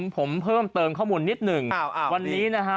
ผมเพิ่มเติมข้อมูลนิดหนึ่งวันนี้นะฮะ